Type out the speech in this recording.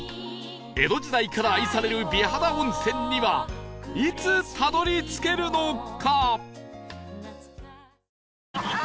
江戸時代から愛される美肌温泉にはいつたどり着けるのか？